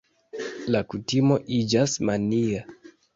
La kutimo iĝas mania.